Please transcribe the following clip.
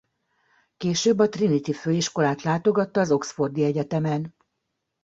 Később a Trinity Főiskolát látogatta az Oxfordi Egyetemen.